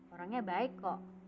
orangnya baik kok